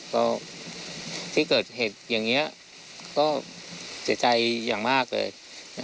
ก็ที่เกิดเหตุอย่างนี้ก็เสียใจอย่างมากเลย